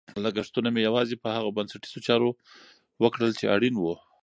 لګښتونه مې یوازې په هغو بنسټیزو چارو وکړل چې اړین وو.